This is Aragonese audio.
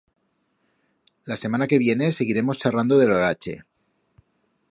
La semana que vienen seguiremos charrando de l'orache.